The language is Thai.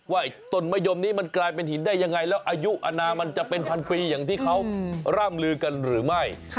ว่าต้นมะยมนี้มันกลายเป็นหินได้ยังไงแล้วอายุอนามันจะเป็นพันปีอย่างที่เขาร่ำลือกันหรือไม่